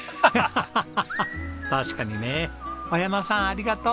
ハハハハ確かにね。お山さんありがとう！